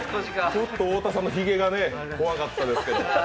ちょっと太田さんのひげが怖かったですけども。